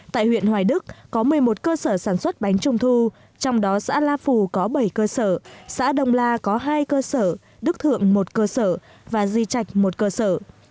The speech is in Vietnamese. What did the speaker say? tại huyện hoài đức có một mươi một cơ sở sản xuất bánh trung thu trong đó xã la phù có bảy cơ sở xã đông la có hai cơ sở đức thượng một cơ sở và di trạch một cơ sở